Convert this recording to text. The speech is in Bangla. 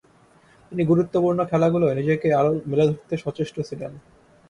তিনি গুরুত্বপূর্ণ খেলাগুলোয় নিজেকে আরও মেলে ধরতে সচেষ্ট ছিলেন।